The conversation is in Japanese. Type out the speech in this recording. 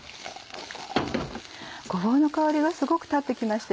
ごぼうの香りがすごく立ってきましたよね。